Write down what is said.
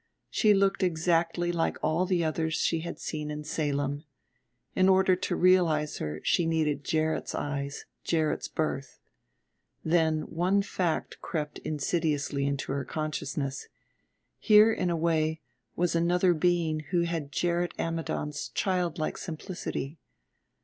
She looked exactly like all the others she had seen in Salem: in order to realize her she needed Gerrit's eyes, Gerrit's birth. Then one fact crept insidiously into her consciousness here, in a way, was another being who had Gerrit Ammidon's childlike simplicity.